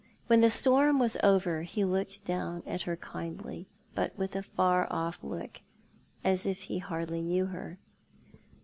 When the storm was over he looked down at her kindly, but with a far off look, as if he hardly knew her.